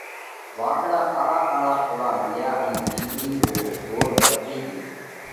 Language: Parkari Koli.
واۮۯا ڪاۯا ڪاۯا ٿيوا مڏيا ان وِيزۯِي رو زور وڌي ڳيو۔